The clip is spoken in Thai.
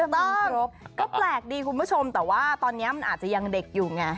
ถูกต้องก็แปลกดีคุณผู้ชมแต่ว่าตอนนี้มันอาจจะยังเด็กอยู่ไง